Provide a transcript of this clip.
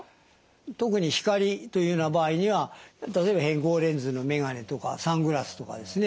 特に光というような場合には例えば偏光レンズの眼鏡とかサングラスとかですね